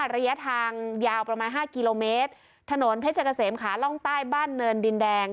ระยะทางยาวประมาณห้ากิโลเมตรถนนเพชรเกษมขาล่องใต้บ้านเนินดินแดง